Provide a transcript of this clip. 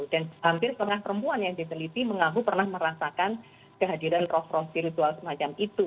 dan hampir setengah perempuan yang diteliti mengaku pernah merasakan kehadiran roh roh spiritual semacam itu